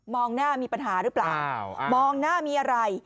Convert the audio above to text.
หน้ามีปัญหาหรือเปล่ามองหน้ามีอะไร